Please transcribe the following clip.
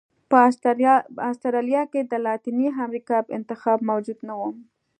په اسټرالیا کې د لاتینې امریکا انتخاب موجود نه و.